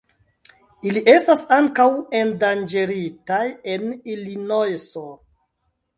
Ili estas ankaŭ endanĝeritaj en Ilinojso.